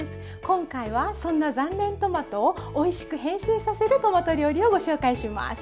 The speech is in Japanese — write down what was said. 今回はそんな残念トマトをおいしく変身させるトマト料理をご紹介します。